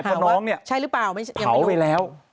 ถ้าน้องเนี่ยเผาไปแล้ว